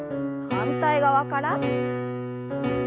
反対側から。